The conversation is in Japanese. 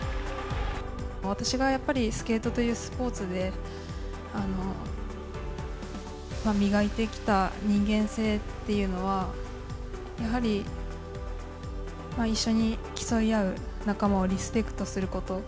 私がやっぱり、スケートというスポーツで磨いてきた人間性っていうのは、やはり一緒に競い合う仲間をリスペクトすること。